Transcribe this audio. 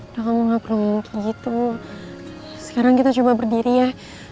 udah kamu gak perlu nunggu gitu sekarang kita coba berdiri ya